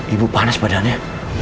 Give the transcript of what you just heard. ibu panas badannya